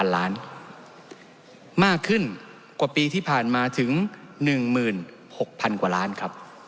มากขึ้นกว่าปีที่ผ่านมาถึง๑๖๐๐๐กว่าล้านครับ